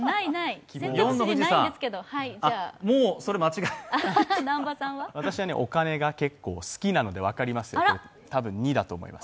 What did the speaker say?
もうそれ間違い私はお金が結構好きなので分かりますよ、多分２だと思います。